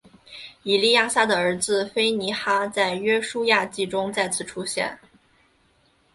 以利亚撒的儿子非尼哈在约书亚记中再次出现。